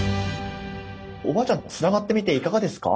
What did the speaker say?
おばあちゃんつながってみていかがですか？